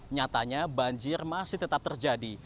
nyatanya banjir masih tetap terjadi